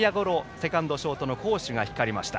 セカンド、ショートの好守が光りました。